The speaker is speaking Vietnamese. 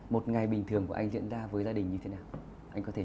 một ngày bình thường của anh diễn ra với gia đình như thế nào